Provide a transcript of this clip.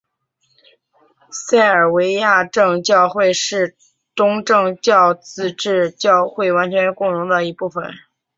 塞尔维亚正教会是与东正教自治教会完全共融的一部分。